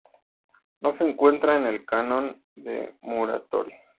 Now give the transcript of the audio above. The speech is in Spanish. No se encuentra en el canon de Muratori.